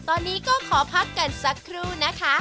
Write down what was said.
ตอนนี้ก็ขอพักกันสักครู่นะคะ